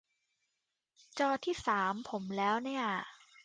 จอที่สามผมแล้วเนี่ย